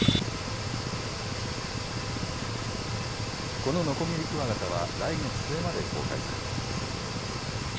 このノコギリクワガタは、来月末まで公開されています。